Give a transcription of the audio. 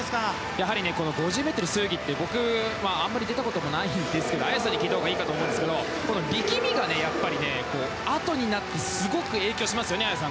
やはりこの５０ｍ背泳ぎって僕、あんまり出たことないんですが綾さんに聞いたほうがいいかと思うんですが、この力みがやっぱり、あとになってすごく影響しますよね。